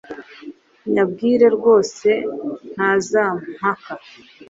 nyabwire rwose ntazampaka